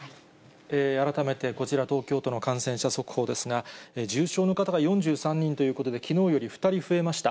改めてこちら、東京都の感染者速報ですが、重症の方が４３人ということで、きのうより２人増えました。